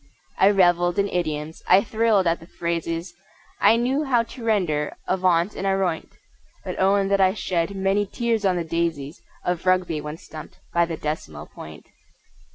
I revelled in idioms; I thrilled at the phrases; I knew how to render "avaunt" and "aroint," But own that I shed many tears on the daisies Of Rugby when stumped by the Decimal Point!